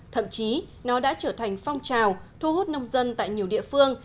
thậm chí nó đã trở thành phong trào thu hút nông dân tại nhiều địa phương